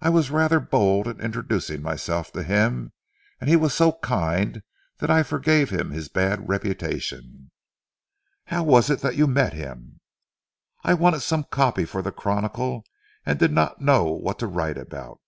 "I was rather bold in introducing myself to him, and he was so kind that I forgave him his bad reputation." "How was it you met him?" "I wanted some copy for the Chronicle and did not know what to write about.